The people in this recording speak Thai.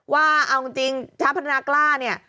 ว่าเอาจริงจ้าพนากล้าเนี่ย